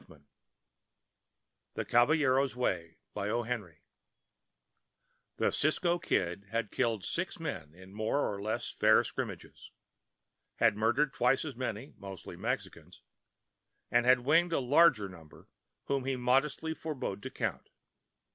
XI THE CABALLERO'S WAY The Cisco Kid had killed six men in more or less fair scrimmages, had murdered twice as many (mostly Mexicans), and had winged a larger number whom he modestly forbore to count.